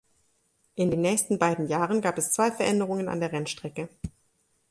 In den nächsten beiden Jahren gab es zwei Veränderungen an der Rennstrecke.